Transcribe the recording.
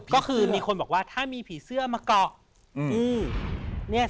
ก็คือมีคนบอกว่าถ้ามีผีเสื้อมาเกาะ